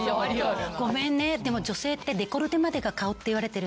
ごめんねでも女性って。